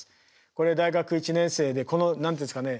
これ大学１年生でこの何て言うんですかね